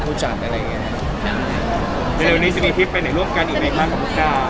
พูดกันบ่อยเจอกันบ่อยครับ